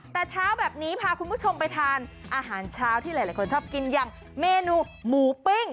แต่เช้าแบบนี้พาคุณผู้ชมไปทานอาหารเช้าที่หลายคนชอบกินอย่างเมนูหมูปิ้ง